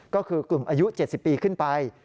ก็คือกลุ่มอายุ๗๐ปีขึ้นไป